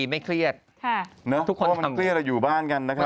มันเครียดราอยู่บ้านกันนะครับ